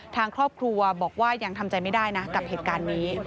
ทางครอบครัวบอกว่ายังทำใจไม่ได้นะกับเหตุการณ์นี้